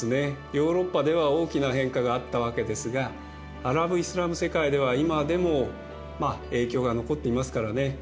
ヨーロッパでは大きな変化があったわけですがアラブ・イスラム世界では今でもまあ影響が残っていますからね。